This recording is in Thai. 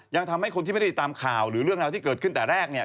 ยังทำให้คนที่ไม่ได้ติดตามข่าวหรือเรื่องราวที่เกิดขึ้นแต่แรกเนี่ย